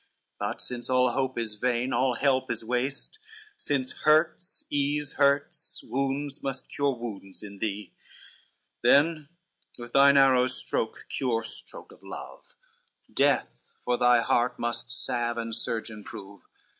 But since all hope is vain all help is waste, Since hurts ease hurts, wounds must cure wounds in thee; Then with thine arrow's stroke cure stroke of love, Death for thy heart must salve and surgeon prove.